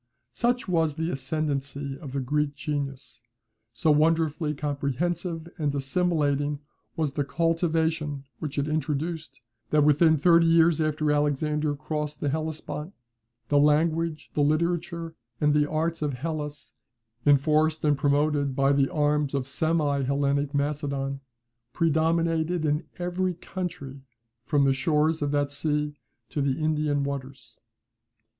Such was the ascendancy of the Greek genius, so wonderfully comprehensive and assimilating was the cultivation which it introduced, that, within thirty years after Alexander crossed the Hellespont, the language, the literature, and the arts of Hellas, enforced and promoted by the arms of semi Hellenic Macedon, predominated in every country from the shores of that sea to the Indian waters.